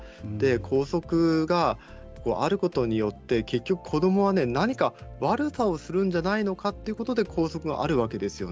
校則があることによって結局、子どもは何か悪さをするんじゃないかということで校則があるわけです。